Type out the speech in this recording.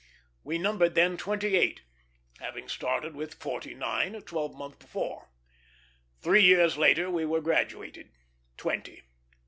We numbered then twenty eight, having started with forty nine a twelvemonth before. Three years later we were graduated, twenty.